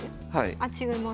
あ違います。